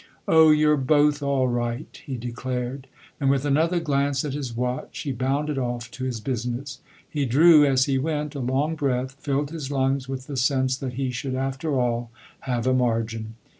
"Oh, you're both all right!" he declared; and with another glance at his watch he bounded off to his business. He drew, as he went, a long breath filled his lungs with the sense that he should after all have a margin.